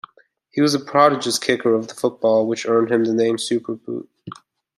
He was a prodigious kicker of the football which earned him the nickname "superboot".